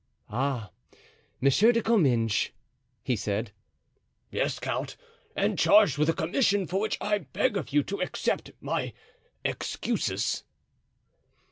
"Ah! Monsieur de Comminges," he said. "Yes, count, and charged with a commission for which I beg of you to accept my excuses."